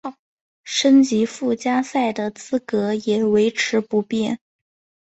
升级附加赛的资格也维持不变。